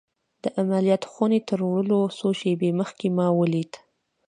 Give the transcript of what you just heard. د عملیات خونې ته تر وړلو څو شېبې مخکې ما ولید